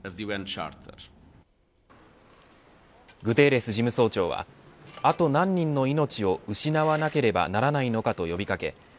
グテーレス事務総長はあと何人の命を失わなければならないのか、と呼び掛け